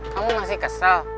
kamu masih kesel